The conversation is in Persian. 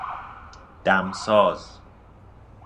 دمساز